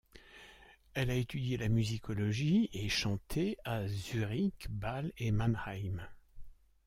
Elle a étudié la musicologie et chanté à Zurich, Bâle et Mannheim.